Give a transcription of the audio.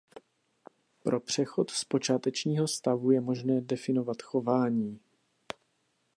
Pro přechod z počátečního stavu je možné definovat chování.